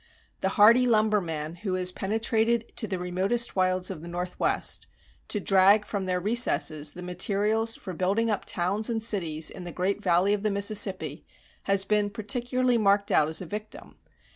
The hardy lumberman who has penetrated to the remotest wilds of the Northwest, to drag from their recesses the materials for building up towns and cities in the great valley of the Mississippi, has been particularly marked out as a victim.